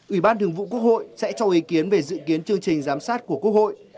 ủy ban thường vụ quốc hội sẽ cho ý kiến về dự kiến chương trình giám sát của quốc hội